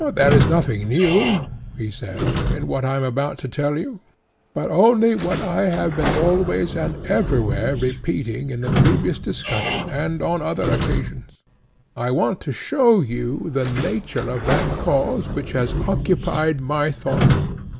There is nothing new, he said, in what I am about to tell you; but only what I have been always and everywhere repeating in the previous discussion and on other occasions: I want to show you the nature of that cause which has occupied my thoughts.